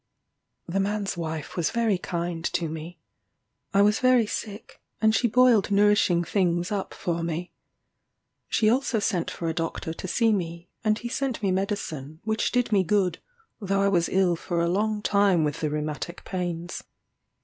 The man's wife was very kind to me. I was very sick, and she boiled nourishing things up for me. She also sent for a doctor to see me, and he sent me medicine, which did me good, though I was ill for a long time with the rheumatic pains.